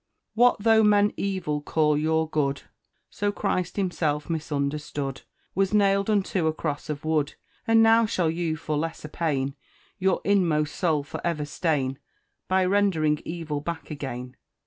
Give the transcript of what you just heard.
What though men evil call your good! So CHRIST Himself, misunderstood, Was nailed unto a cross of wood! And now shall you for lesser pain, Your inmost soul for ever stain, By rendering evil back again?